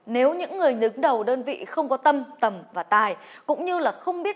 nếu những người nứng đầu đơn vị không có tâm tầm và tài